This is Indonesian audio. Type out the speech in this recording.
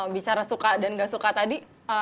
bicara suka dan gak suka tadi